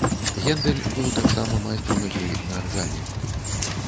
Гендэль быў таксама майстрам ігры на аргане.